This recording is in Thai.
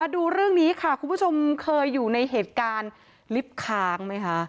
ดูเรื่องนี้ค่ะคุณผู้ชมเคยอยู่ในเหตุการณ์ลิฟต์ค้างไหมคะ